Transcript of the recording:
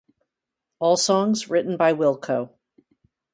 All songs written by Wilco.